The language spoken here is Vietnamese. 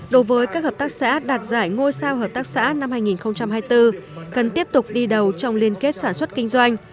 đối với các hợp tác xã đạt giải ngôi sao hợp tác xã năm hai nghìn hai mươi bốn cần tiếp tục đi đầu trong liên kết sản xuất kinh doanh